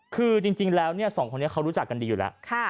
คือจริงแล้วสองคนนี้เขารู้จักกันดีอยู่แล้ว